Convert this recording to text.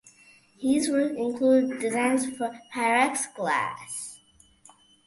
His work included designs for Pyrex glass.